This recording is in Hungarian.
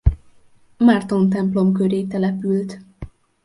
Márton-templom köré települt.